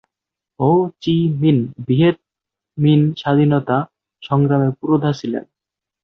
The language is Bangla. হো চি মিন ভিয়েত মিন স্বাধীনতা সংগ্রামের পুরোধা ছিলেন।